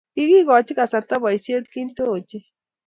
kikoyochi kasarta boisie kintee ochei